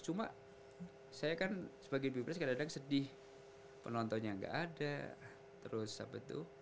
cuma saya kan sebagai binpress kadang kadang sedih penontonnya gak ada terus apa tuh